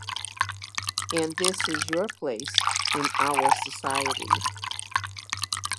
And this is your place in our society.